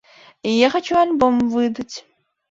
Я хачу альбом выдаць.